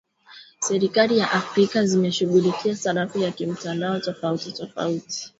Serikali za Afrika zimeshughulikia sarafu ya kimtandao tofauti tofauti